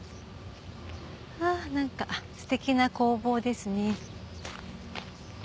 あぁ何かステキな工房ですね。